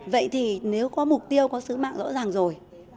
vậy thì nếu có mục tiêu có sứ mạng rõ ràng rồi